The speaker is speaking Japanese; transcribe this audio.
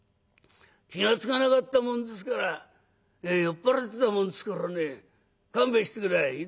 気が付かなかったもんですから酔っ払ってたもんですからね勘弁して下さい」。